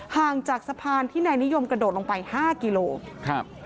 ห่างจากสะพานที่นายนิยมกระโดดลงไปห้ากิโลครับ